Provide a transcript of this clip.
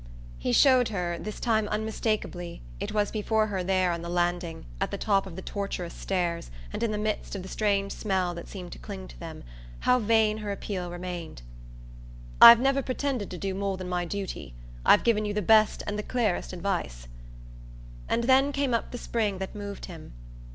He showed her, this time unmistakeably it was before her there on the landing, at the top of the tortuous stairs and in the midst of the strange smell that seemed to cling to them how vain her appeal remained. "I've never pretended to do more than my duty; I've given you the best and the clearest advice." And then came up the spring that moved him.